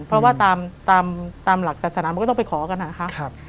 เพราะว่าตามหลักศาสนามันก็ต้องไปขอกันนะคะ